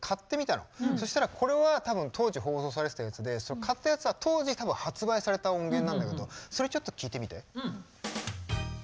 そうしたらこれは多分当時放送されていたやつで買ったやつは当時多分発売された音源なんだけどそれちょっと聴いてみて。